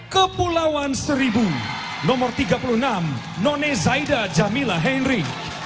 kepulauan seribu nomor tiga puluh enam none zaida jamila henry